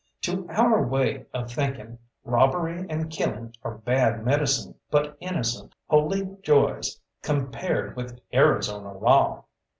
To our way of thinking robbery and killing are bad medicine, but innocent, holy joys compared with Arizona law.